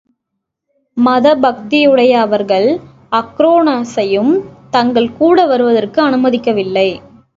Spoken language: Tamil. மத பக்தியுடைய அவர்கள் அக்ரோனோஸையும் தங்கள் கூட வருவதற்கு அனுமதிக்கவில்லை.